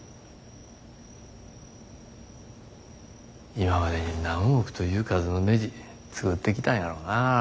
今までに何億という数のねじ作ってきたんやろなぁ。